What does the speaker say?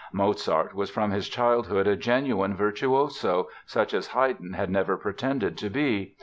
Mozart was from his childhood a genuine virtuoso, such as Haydn had never pretended to be.